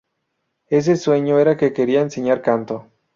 Ese sueño era que quería enseñar canto.